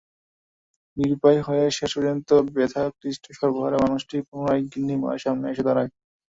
নিরুপায় হয়ে, শেষ পর্যন্ত ব্যথাক্লিষ্ট সর্বহারা মানুষটি পুনরায় গিন্নিমার সামনে এসে দাঁড়ায়।